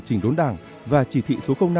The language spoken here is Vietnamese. chỉnh đốn đảng và chỉ thị số năm